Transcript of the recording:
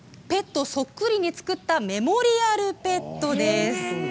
ペットそっくりに作ったメモリアルペットです。